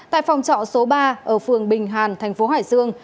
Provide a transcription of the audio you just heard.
tại phòng trọ số ba ở phường bình hàn thành phố hải dương